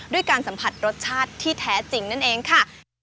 ด้วยการสัมผัสรสชาติที่แท้จริงนั่นเองค่ะ